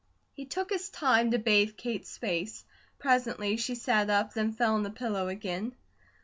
He took his time to bathe Kate's face. Presently she sat up, then fell on the pillow again.